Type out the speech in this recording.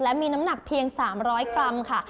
และมีน้ำหนักเพียง๓๐๐กรัมค่ะ